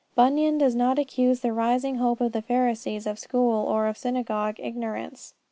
Bunyan does not accuse the rising hope of the Pharisees of school or of synagogue ignorance.